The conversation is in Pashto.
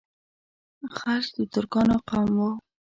خلج د ترکانو قوم وو.